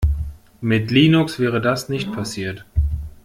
Mit Linux wäre das nicht passiert!